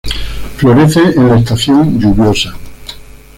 Florece en la estación lluviosa.